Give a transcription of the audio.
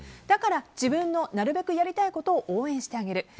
だから自分のなるべくやりたいことを応援してあげる。